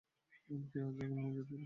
আমি কী রাজাকে নিয়ে যেতে পারি?